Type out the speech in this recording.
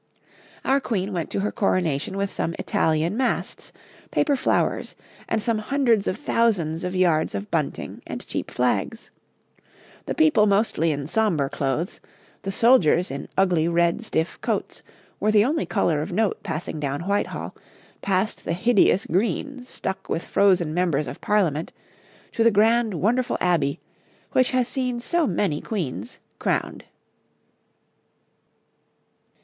Our Queen went to her coronation with some Italian masts, paper flowers, and some hundreds of thousands of yards of bunting and cheap flags; the people mostly in sombre clothes; the soldiers in ugly red, stiff coats, were the only colour of note passing down Whitehall, past the hideous green stuck with frozen Members of Parliament, to the grand, wonderful Abbey, which has seen so many Queens crowned.